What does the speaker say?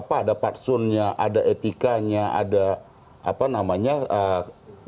ada patsunnya ada etikanya ada hubungan ketatanegaraan